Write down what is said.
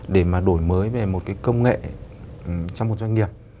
để mà đổi mới về một cái công nghệ trong một doanh nghiệp